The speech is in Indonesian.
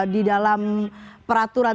di dalam peraturan